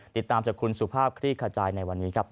ติดตามจากคุณสุภาพคลี่ขจายในวันนี้ครับ